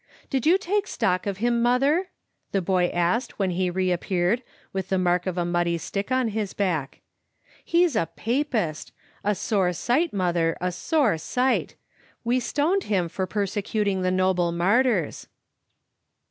" Did you take stock of him, mother?" the boy asked when he reap peared with the mark of a muddy stick on his back. "He's a Papist! — a sore sight, mother, a sore sight. We stoned him for persecuting the noble Martyrs.